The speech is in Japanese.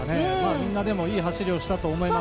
みんな、でもいい走りをしたと思います。